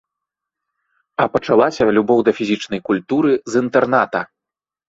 А пачалася любоў да фізічнай культуры з інтэрната.